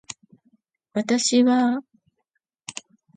私はあ